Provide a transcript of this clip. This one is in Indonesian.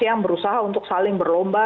yang berusaha untuk saling berlomba